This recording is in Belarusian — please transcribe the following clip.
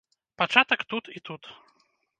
Пачатак тут і тут.